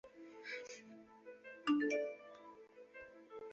她在朱利亚德学校被培养成为一名歌剧歌手。